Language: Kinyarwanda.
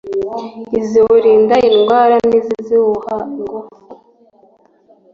iziwurinda indwara n’iziwuha ingufu